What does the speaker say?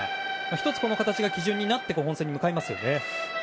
１つ、この形が基準となり本戦に向かいますね。